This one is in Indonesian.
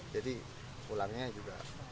jadi pulangnya juga